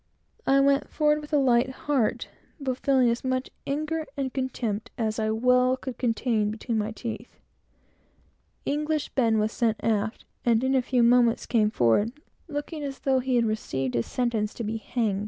I went forward with a light heart, but feeling as angry, and as much contempt as I could well contain between my teeth. English Ben was sent aft, and in a few moments came forward, looking as though he had received his sentence to be hung.